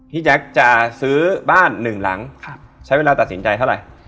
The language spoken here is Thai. แจ๊คจะซื้อบ้านหนึ่งหลังใช้เวลาตัดสินใจเท่าไหร่